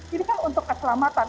ini kan untuk keselamatan